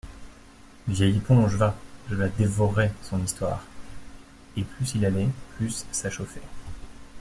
Vieille éponge, va ! je la dévorais, son histoire ! «Et plus il allait, plus ça chauffait.